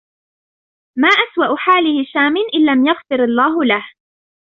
مَا أَسْوَأُ حَالِ هِشَامٍ إنْ لَمْ يَغْفِرْ اللَّهُ لَهُ